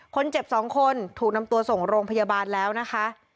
คนเจ็บ๒คนถูกนำตัวส่งโรงพยาบาลแล้วนะคะ